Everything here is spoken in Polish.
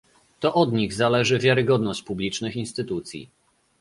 To od nich zależy wiarygodność publicznych instytucji